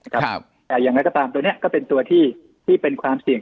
ครับแต่อย่างนี้ก็ตามตัวเนี้ยก็เป็นตัวที่ที่เป็นความเสี่ยง